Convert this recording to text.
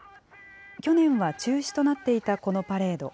去年は中止となっていたこのパレード。